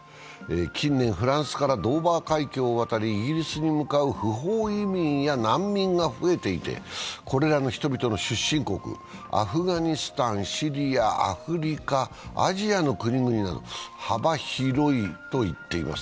近年、フランスからドーバー海峡を渡りイギリスに向かう不法移民や難民が増えていて、これらの人々の出身国、アフガニスタン、シリア、アフリカ、アジアの国々など幅広いと言っています。